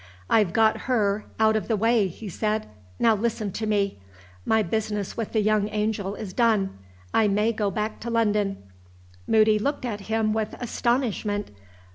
"I've got her out of the way," he said, "now listen to me. My business with the young angel is done I may go back to London." Moody looked at him with astonishment.